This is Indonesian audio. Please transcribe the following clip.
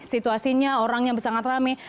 situasinya orangnya sangat rame